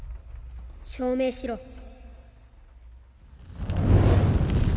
証明しろ